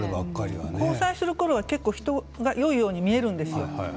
交際するころは人がよいように見えるんです。